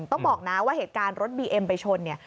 ต้องบอกนะว่าเหตุการณ์รถบีเอ็มไปชนเนี่ย